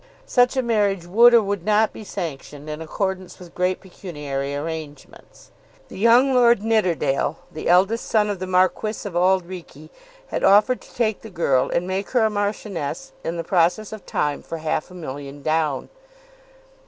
Such a marriage would or would not be sanctioned in accordance with great pecuniary arrangements. The young Lord Nidderdale, the eldest son of the Marquis of Auld Reekie, had offered to take the girl and make her Marchioness in the process of time for half a million down.